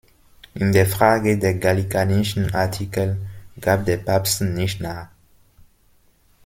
In der Frage der Gallikanischen Artikel gab der Papst nicht nach.